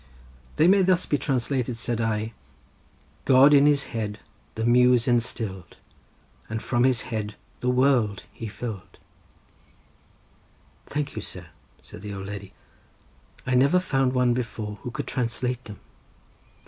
"They may be thus translated," said I: "God in his head the Muse instill'd, And from his head the world he fill'd." "Thank you, sir," said the old lady; "I never found any one before who could translate them."